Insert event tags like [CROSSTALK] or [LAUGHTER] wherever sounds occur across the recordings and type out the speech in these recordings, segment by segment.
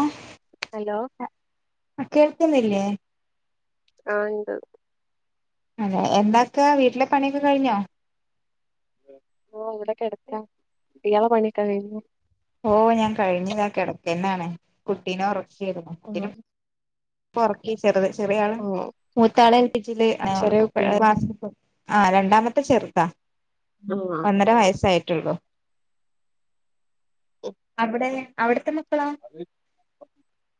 ആഹ് hello ആഹ് കേൾക്കുന്നില്ലേ ആഹ് ഇണ്ട് അതെ എന്താക്കാ വീട്ടിലെ പണിയൊക്കെ കഴിഞ്ഞോ ഓ ഇവടെ കെടക്കാ ഇയാളെ പണിയൊക്കെ കഴിഞ്ഞോ ഓ ഞാൻ കഴിഞ്ഞില്ല കെടക്കെന്നെണ് കുട്ടീനെ ഒറക്കയിരുന്നു ആഹ് കുട്ടീനെ പ്പൊ ഒറക്കി ചെറ്ത് ചെറീയെ ആള് ഓഹ് മൂത്താളെ ഏൽപ്പിച്ചില്ലേ ചെറിയ കുട്ടിയാണോ [UNINTELLIGIBLE] ആ രണ്ടാമത്തെ ചെർതാ ആഹ് ഒന്നര വയസ്സായിട്ടുള്ളൂ അവടെ അവട്ത്തെ മക്കളോ [INAUDIBLE]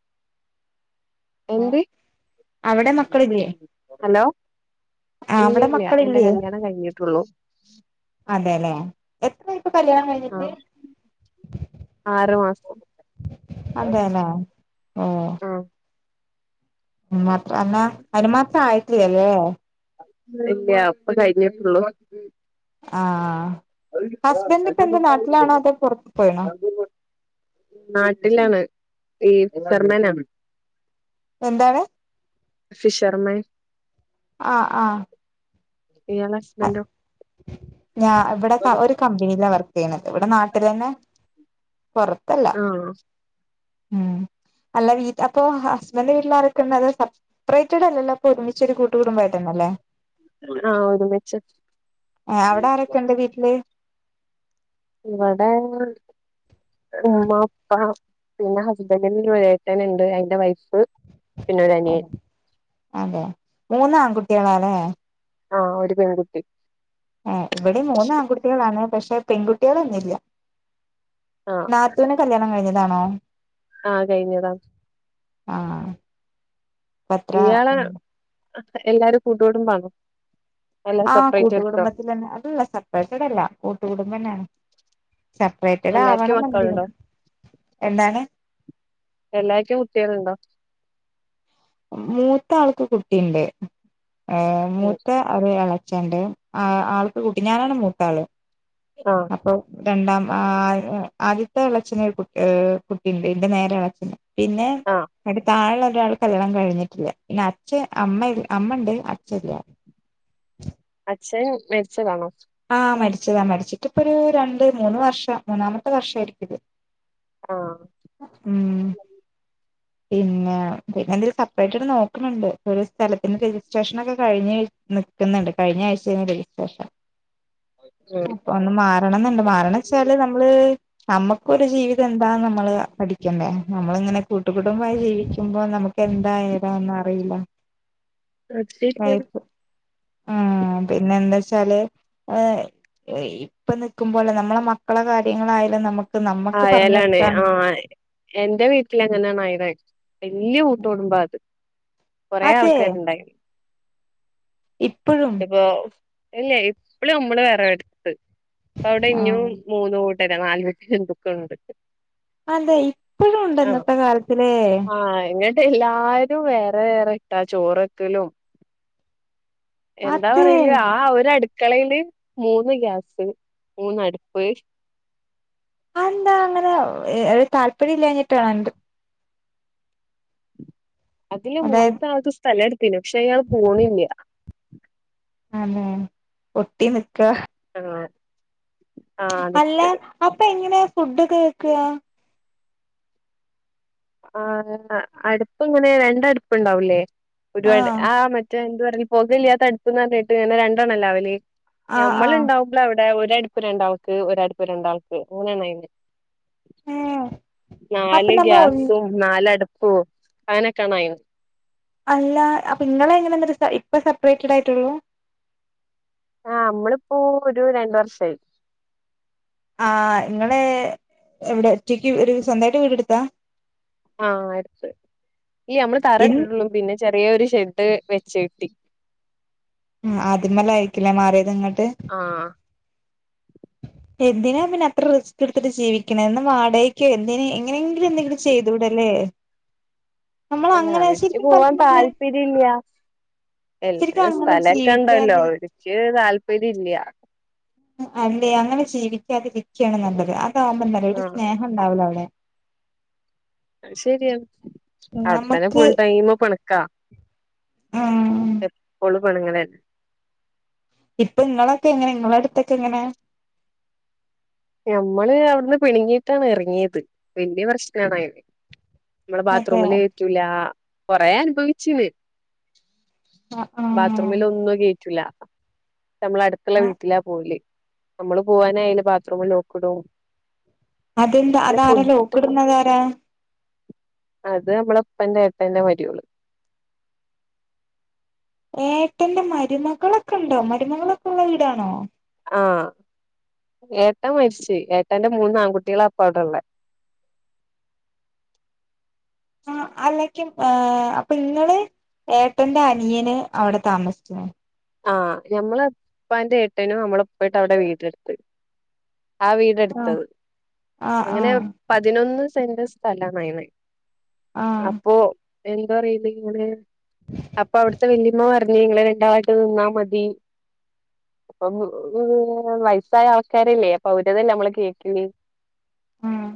ഏ എന്ത് അവടെ മക്കളില്ലേ ഹലോ ആ അവിടെ ഇല്ലില്ല എന്റെ മക്കളില്ലേ കല്യാണം കഴിഞ്ഞിട്ടോള്ളൂ അതെ ലെ എത്ര ആയി ഇപ്പം കല്യാണം കഴിഞ്ഞിട്ട് ആഹ് ആറ് മാസം അതേ ലെ ഉം ആഹ് മാത്രം അല്ലാ അയിന് മാത്ര ആയിട്ടില്ല ലെ ഇല്ല്യ ഇപ്പം കഴിഞ്ഞിട്ടോള്ളൂ ഉം ആ ഹസ്ബൻഡ് ഇപ്പം എന്താ നാട്ടിലാണോ അതോ പൊർത്ത് പോയിണോ നാട്ടിലാണ് ഈ സെർമനാണ് എന്താണ് ഫിഷർമാൻ ആ ആ ഇയാളെ ഹസ്ബൻഡോ ഞാ ഇവടെ ക ഒരു കമ്പനിയിലാ വർ ക്ക് ചെയ്യ്ണത് ഇവടെ നാട്ടിലന്നെ പൊർത്തല്ല ആഹ് ഉം അല്ല വീ അപ്പൊ ഹസ്ബൻഡ് വീട്ടില് ആരൊക്കെള്ളത് സ സപ്പറൈറ്റഡ് അല്ലല്ലോ ഒപ്പം ഒരുമിച്ച് ഒരു കൂട്ടു കുടുംബം ആയിട്ടന്ന അല്ലേ ആ ഒരുമിച്ച് ഏ അവടെ ആരൊക്കെ ഇണ്ട് വീട്ടില് ഇവടെ ഉമ്മ ഉപ്പ പിന്നെ ഹസ്ബൻഡിന് ഒരേട്ടന്ണ്ട് അയിന്റെ വൈഫ് പിന്നെ ഒരനിയൻ അതേ മൂന്ന് ആൺകുട്ടിഴളാ ലെ ആ ഒരു പെൺകുട്ടി ഏ ഇവടിം മൂന്ന് ആൺകുട്ടികളാണ് പക്ഷെ പെൺകുട്ടികളൊന്നില്ല ആ നാത്തൂന് കല്യാണം കഴിഞ്ഞതാണോ ആ കഴിഞ്ഞതാ ആഹ് അപ്പ അത്ര ഇയാളെ എല്ലാരും കൂട്ടു കൂടുംബ ആണോ ആ കൂട്ടു കുടുംബത്തിലന്നെ അത് സപ്പറേറ്റഡല്ല കൂട്ടുകുടുംബന്നെണ് സപ്പറേറ്റഡ് എല്ലാർക്കും ആവണന്ന്ണ്ട് മക്കളുണ്ടോ എന്താണ് എല്ലാർക്കും കുട്ടികളുണ്ടോ മൂത്ത ആൾക്ക് കുട്ടിണ്ട് ഏ ഉം മൂത്ത അവ എളച്ചണ്ട് ആ ആൾക്ക് കുട്ടി ഞാനാണ് മൂത്താള് ആ അപ്പൊ രണ്ടാം ആ ആദ്യത്തെ എളച്ഛന് ഒരു കുട്ടി ഏ കുട്ടിണ്ട് ഇന്റെ നേരെ എളച്ചന് പിന്നെ ആ അഴിന്റെ താഴെള്ള ഒരാൾ കല്യാണം കഴിഞ്ഞിട്ടില്ല പിന്നെ അച്ഛ അമ്മ അമ്മ ഇണ്ട് അച്ഛൻ ഇല്ല അച്ഛൻ മരിച്ചതാണോ ആഹ് മരിച്ചതാ മരിച്ചിട്ടിപ്പൊരു രണ്ട് മൂന്ന് വർഷം മൂന്നാമത്തെ വർഷം ആരിക്കും ഇത് ആഹ ഉം പിന്നേ പിന്നെ എന്തങ്കിലും സെപ്പറേറ്റ് ആട്ട് നോക്കണുന്നുണ്ട് ഒരു സ്ഥലത്തിന്റെ രജിസ്ട്രേഷന ഒക്കെ കഴിഞ്ഞഞ് നിക്കുന്നുണ്ട് കഴിഞ്ഞ ആഴ്ചയ്നു രജിസ്ട്രഷൻ അപ്പൊ ഒന്ന് മാറണം എന്നുണ്ട് മാറണ വെച്ചാല് നമ്മള് നമുക്കൊരു ജീവിതം എന്താ നമ്മള് പഠിക്കണ്ടേ നമ്മളിങ്ങനെ കൂട്ടുകുടുംബമായി ജീവിക്കുമ്പോ നമുക്ക് എന്തായതാന്ന അറിയില്ല ഉം ആ പിന്നെ എന്താ വെച്ചാല് ഇപ്പൊ നിക്കുമ്പോലെ നമ്മളെ മക്കളെ കാര്യങ്ങളായാലും നമുക്ക് ആ നമ്മക്ക് പറഞ്ഞു അയാലാണേ കൊടുക്കാൻ ആഹ എന്റെ വീട്ടിൽ എങ്ങനെയാണേ വല്യകൂട്ടോടുമ്പോ അത് കൊറെേ അതെ ആൾക്കാരുണ്ടായിരുന്നു ഇ ഇപ്പോ ഇല്ല ഇപ്പള നമ്മള് വറെ എടുത്തത് അപ്പ അവിടെ ഇഞ്ഞും ആഹ് മൂന്ന കൂട്ടര നാലൂട്ടന്തൊക്ക ഉണ്ട് അതെ ഇപ്പോഴുണ്ട് ഇന്നത്തെ കാലത്തിലേ ആ എങ്ങെ എല്ലാരും വേറെ വേറെ ഇട്ടാ ചോറ്ക്കലും എന്താ അതെ പറയല് ആ ഒരു അടുക്കളയില് മൂന്ന് ഗ്യാസ് മൂന്ന്ടുപ്പ് ആ എന്താ അങ്ങനെ ഒരു താല്പര്യം ഇല്ലഞ്ഞിട്ടാാണ് ന്റെ അതില്ല അതായത് മൂത്ത ആൾക്ക് സ്ഥലം എടുത്തിന് പക്ഷെ അയാൾ പോണില്ല ആണോ ഒട്ടി നിക്കാ ആഹ അല്ല അപ്പൊ എങ്ങനെയ ഫുഡ് വെക്കാ ആ അടുപ്പ് ഇങ്ങനെ രണ്ടടുപ്പുണ്ടാവുംല്ലേ ഒരു ആഹ് ആ മ രണ്ടും ഇറങ്ങി പുക ഇല്ലാത്ത അടുപ്പന്ന് പറഞ്ഞിട്ട് ഇങ്ങനെ രണ്ടാണ്ണം ഉണ്ടാവൂലെ ആഹ് ആഹ് ഞമ്മളുണ്ടാവും ഞങ്ങളവിടെ ഒര അടുപ്പ് രണ്ടാ ആൾക്ക് ഒരടുപ്പ് രണ്ടാൾക്ക് അയ്മ്മെ ഏഹ് അപ്പൊ നാളല്ലേ നമ്മൾ ഗ്യാസ് നാലടുപ്പ അങ്ങനൊക്കെയണ അല്ല അപ്പൊ നിങ്ങളെ എങ്ങനെ ഇപ്പ സെപ്പറേറ്റഡ് ആയിട്ടുള്ളൂ ആ നമ്മളിപ്പോ ഒരു രണ്ട വർഷായി ആ നിങ്ങളെ എവിടെറ്റിക്ക് ഒരു സ്വന്തമായിട്ട് വീടെ എടുത്താ ആഹ അടുത്ത ഈ നമ്മള് എന്ന് തറട്ടിട്ടുള്ളും പിന്നെ ചെറിയൊരു ഷെഡ് വെച്ച് കെട്ടി ആ ആദ്യമല ആയിക്കില്ലേ മാറിയത് ഇങ്ങട്ട് ആഹാ എന്തിനാ പിന്നെ അത്ര റിസക് എടുത്തിട്ട് ജീവിക്കണ എന്നാ വാടകക്കോ എന്തിന എങ്ങനെങ്കില എന്തെങ്കിലും ചെയ്തൂടല്ലേ നമ്മൾ അല്ല അങ്ങനെ ഇച്ച് ശരിക്കും പോവാൻ പറഞ്ഞിട്ടുണ്ടെങ്കില് താല്പര്യ ഇല്ല ശരിക്കും എ അങ്ങനെ സ്ഥലൊക്കെ ഉണ്ടല്ലോ ജീവിക്കാതിരി ഇക്ക് താല്പര്യം ഇല്ല്യ അല്ലേ അങ്ങനെ ജീവിക്കാതിരിക്കുകയാണ് നല്ലത് അതാകുമ്പോ എന്താ ഒരു ആഹ് സ്നേഹം ഉണ്ടാവലോ അവിടെ അഹ് ശരിയാണ് അവിടെത്തന്നെ നമ്മക്ക് ഫുൾ ടൈം പെണക്കാ ഉം എപ്പോളും പെണങ്ങലല്ലേ ഇപ്പൊ നിങ്ങളൊക്കെ എങ്ങനെ നിങ്ങളുടെ അടുത്തൊക്കെ എങ്ങനെ ഞമ്മള് അവിടുന്ന് പിണുങ്ങിയിട്ടാണ് ഇറങ്ങിയത് വെല്ല്യ പ്രശ്നണയത് നമ്മളെ അതെ ബാത്ത്റൂമില് കേറ്റൂലാ കൊറെ അനുഭവിച്ചിലേ ആഹ് ബാത്ത്റൂമിലൊന്നും കേറ്റൂല്ല നമ്മള് അടുത്തുള്ള ആഹ് വീട്ടിലാ പോവല് നമ്മള് പോവാനായാല് ബാത്ത്റൂമ് ലോക്കിടും അതെന്താ പിന്നെ അതാരാ ഫുഡ് ലോക്കിടുന്നതാരാ അത് നമ്മടപ്പന്റെ ഏട്ടന്റെ മരുമകള് ഏട്ടന്റെ മരുമകളൊക്കെയുണ്ടോ മരുമകളൊക്കെയുള്ള വീടാണോ ആ ഏട്ടൻ മരിച്ചുപൊയി ഏട്ടന്റെ മൂന്ന് ആൺകുട്ടികളാ ഇപ്പ അവിടെയൊള്ളേ ആ അല്ലക്കും ആ അപ്പൊ ഇങ്ങള് ഏട്ടന്റെ അനിയന് അവിടെ താമസിക്കണെ ആ ഞമ്മള് ഉപ്പാന്റെ ഏട്ടനും നമ്മള് പോയിട്ട് അവിടെ വീടെടുത്ത് ആ ആഹ് വീടെടുത്തത് ആഹ് അങ്ങനെ ആഹ് പതിനൊന്ന് സെന്റ് സ്ഥലമാണ് ആഹ് അപ്പോ എന്തു പറയുന്നു നിങ്ങള് അപ്പൊ അവിടത്തെ വല്ല്യമ്മ പറഞ്ഞു നിങ്ങള് രണ്ടാള് നിന്നാ മതി അപ്പോ വയസ്സായആൾക്കാരല്ലേ അപ്പൊ അവരേതല്ലേ നമ്മള് കേക്കല് ആഹ്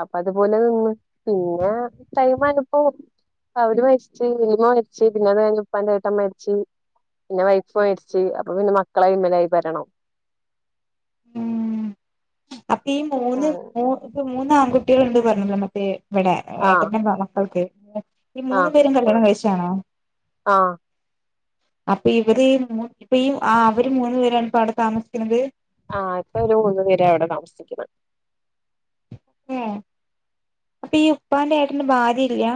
അപ്പ അതുപോലെ നിന്ന് പിന്നെ ടൈമായപ്പോ അവര് മരിച്ച് വല്യമ്മ മരിച്ച് പിന്നെ വല്യപ്പാന്റെ ഏട്ടൻ മരിച്ചു പിന്നെ വൈഫ് മരിച്ച് അപ്പൊ പിന്നെ മക്കളെ കൈയ്യുമേലായി ഭരണം ഉം അപ്പൊ ഈ മൂന്ന് ആഹ് മൂ മൂന്നാൺകുട്ടികളൊണ്ടെന്നു പറഞ്ഞില്ലാർന്നോ മറ്റേ ഇവിടെ ആഹ് ഏട്ടന്റെ മക്കൾക്കേ ഈ മൂന്നുപേരും കല്യാണം കഴിച്ചയാണോ ആ അപ്പ ഇവരീ മൂ ഇപ്പയീ ആ അവര് മൂന്നുപേരാണ് ഇപ്പ അവിടെ താമസിക്കണത് ആ ഇപ്പൊ ഇവര് മൂന്നുപേരാ അവിടെ താമസിക്കണേ ഉം അപ്പൊ ഈ ഉപ്പാന്റെ ഏട്ടന് ഭാര്യയില്ലാ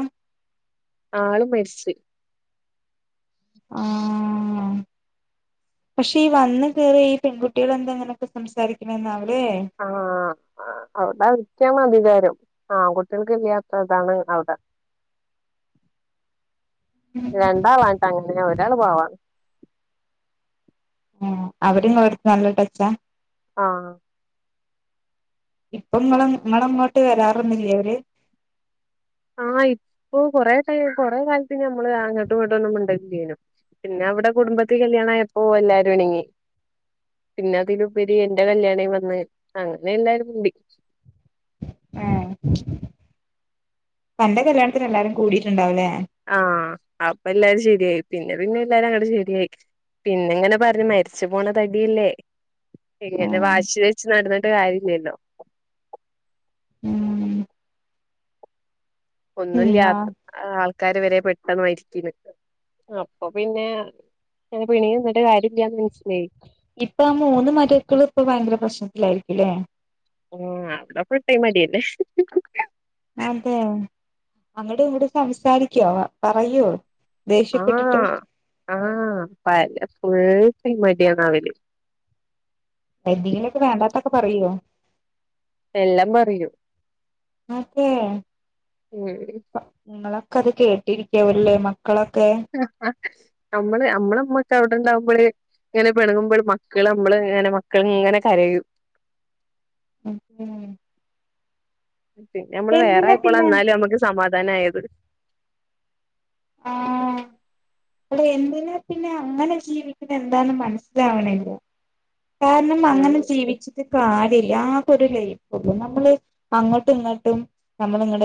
ആള് മരിച്ച് ആം പക്ഷെ ഈ വന്നുകേറിയ ഈ പെൺകുട്ടികളെന്താ ഇങ്ങനെയൊക്കെ സംസാരിക്കണെന്നാല്ലേ ആ ആ അവിടെവരിക്കാണ് അധികാരം ആൺകുട്ടികൾക്കില്ലാത്തതാണ് അവിടെ രണ്ടാളായിട്ടങ്ങനെ ഒരാള് പാവാണ് ഉം അവര് നിങ്ങളടുത്ത് നല്ല ടച്ചാ ആ ഇപ്പൊ നിങ്ങളെ നിങ്ങളങ്ങോട്ട് വരാറൊന്നില്ലേ അവര് ആ ഇപ്പൊ കൊറേ ടൈ കൊറേ കാലത്തിന് ഞമ്മള് അങ്ങോട്ടും ഇങ്ങോട്ടൊന്നും മിണ്ടലില്ലായ്ഞൂ പിന്നെ അവിടെ കുടുംബത്തി കല്യാണായപ്പോ എല്ലാരും ഇണങ്ങി പിന്നെ അതിലുപരി എന്റെ കല്യാണായിവന്ന് അങ്ങനെ എല്ലാവരുംകൂടി ആ തന്റെ കല്യാണത്തിന് എല്ലാവരും കൂടിട്ടുണ്ടാവൂലേ ആ അപ്പൊ എല്ലാവരും ശെരിയായി പിന്നെ പിന്നെ എല്ലാരും അങ്ങട്ശെരിയായി പിന്നെ ഇങ്ങനെപറഞ്ഞു മരിച്ചു പോണതടിയല്ലേ ഇങ്ങനെ വാശിവെച്ച് നടന്നിട്ട് കാര്യമില്ലലോ ഉം എന്നാ ഒന്നുല്ലാത്ത ആൾക്കാരുവരെ പെട്ടെന്നു മരിക്കണ് അപ്പൊപിന്നെ പിന്നെ പിണങ്ങിനിന്നിട്ട് കാര്യമില്ലാന്ന് മനസ്സിലായി ഇപ്പൊ ആ മൂന്നു മരുക്കളും ഇപ്പഭയങ്കര പ്രശ്നത്തിലായിരിക്കൂല്ലേ ആ അവിടെ ഫുൾടൈം അടിയല്ലേ ആതെ അങ്ങട് ഇങ്ങട് സംസാരിക്കുവോ പറയുവോ ദേഷ്യംപ്പെട്ടിട്ട്. ആഹ പ ഫുൾൈ മടിയന്നാവല്. എന്തെങ്കിലുമൊക്കെ വേണ്ടാത്തതൊക്കെ പറയുവോ? എല്ലാം പറയും. അതെ നിങ്ങളൊക്കെ അത് കേട്ടിരിക്കാവല്ലേ മക്കളൊക്കെ. നമ്മള് നമ്മളമ്മക്ക അവിടെണ്ടാവുമ്പോള്. ഇങ്ങനെ പൊണങ്ങുമ്പോൾ മക്കൾ നമ്മള് ഇങ്ങനെ മക്കൾ ഇങ്ങനെ കരയും. [INAUDIBLE] പിന്നെ നമ്മള് വേറെ എന്തിനാ ഇപ്പോള പിന്നെ എന്നാലും നമ്മുക്ക് സമാധാനമായത്. ആഹ്. അടെ എന്തിനാ പിന്നെ അങ്ങനെ ജീവിക്കുന്നത് എന്താെന്ന് മനസ്സിലാവണ് ഇല്ല. കാരണം ഉം അങ്ങനെ ജീവിച്ചു. കാര്യല്ല ആ ഒരു ലൈഫും നമ്മള് അങ്ങോട്ടും ഇങ്ങോട്ടും നമ്മൾ ഇങ്ങോ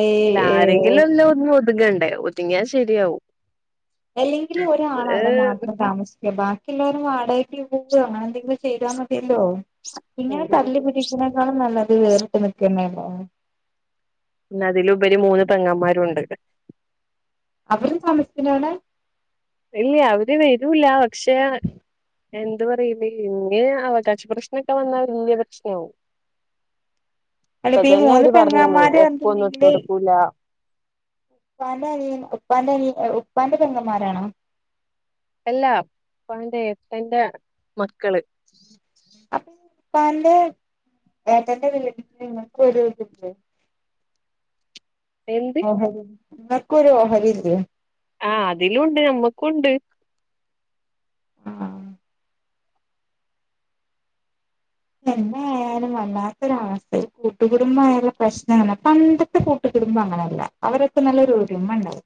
ആരെങ്കിലും എല്ലാം ഒന്നും ഒതുങ്ങണ്ടേ ഒതുങ്ങിയാ ശരിയാവും. അല്ലെങ്കിലിൽ ഒരാള് അവിടെ മാത്രം താമസ ബാക്കി ഉള്ളവര് വാടകക്ക് പോവ അങ്ങനെ എന്തെങ്കിലും ചെയ്താൽ മതിയല്ലോ? ഇങ്ങനെ തല്ലി പിടിക്കിനേക്കാളും നല്ലത് വേറിട്ട് നിക്കുന്നല്ലേ. പിന്നെ അതിലുപരി മൂന്ന് പെങ്ങന്മാരു ഉണ്ട്. അവര് താമസിക്ക്നാണ്. ഇല്ല അവര് വരൂല പക്ഷെ. എന്ത് പറയും ഇങ്ങനെ അവകാശ പ്രശ്നം വന്നാൽ വലിയ പ്രശ്നാവും. അല്ല ഇപ്പ ഈ തന്നെ മൂന്ന് അവര് പറഞ്ഞിന്ന് പെങ്ങാമാര് ഒപ്പൊന്നും പറഞ്ഞിട്ടുണ്ടെങ്കില്. [UNINTELLIGIBLE] ഉപ്പാന്റെ അനിയ ഉപ്പാന്റെ അന ഉപ്പാന്റെ പെങ്ങമാരാണോ? അല്ലാ ഉപ്പാന്റെ ഏട്ടന്റെ മക്കള്. ഉപ്പാന്റെ ഏട്ടന്റെ [UNINTELLIGIBLE] എന്ത് ഓഹരി നിങ്ങക്കും ഒരു ഓഹരില്ലേ? ആഹ് അതിലുണ്ട് ഞമ്മക്കുണ്ട്. ആഹ് എന്നയാലും ആയാലും വല്ലാത്തൊരവസ്ഥ കൂട്ടുകുടുംബമായുള്ള പ്രശ്നാണ് പണ്ട് ഇപ്പം കൂട്ട് കുടുമ്പം അങ്ങനെയല്ല അവരൊക്ക നല്ലൊരു ഒരുമണ്ടാവും.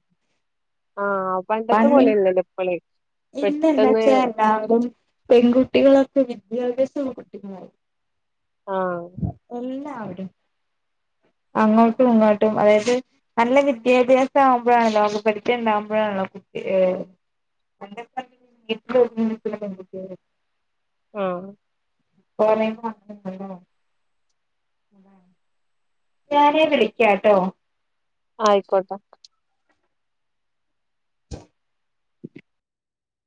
ആഹ് പണ്ടത്തെ പോലെയല്ലേ ഇപ്പള്. പെട്ടെന്ന് ഇന്നല്ലാച്ചാ എല്ലാവരും പെൺകുട്ടികളൊക്കെ വിദ്യാഭ്യാസ കുട്ടികളാണ്. ആഹ് എല്ലാംവരും അങ്ങോട്ടും ഇങ്ങോട്ടും അതായത്. നല്ല വിദ്യാഭ്യാസം ആവുമ്പോഴാണല്ലോ അങ് പഠിക്കേണ്ടാവുമ്പോഴാണല്ലോ കുട്ടി [UNINTELLIGIBLE] ആഹ് [UNINTELLIGIBLE] ഓൺലൈൻ ഉം ഞാന് വിളിക്കാട്ടോ? ആയിക്കോട്ടെ.